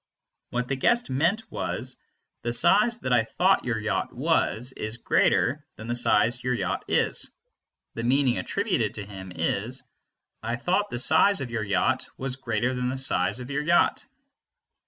What the guest meant was, "The size that I thought your yacht was is greater than the size your yacht is"; the meaning attributed to him is, "I thought the size of your yacht was greater than the size of your yacht."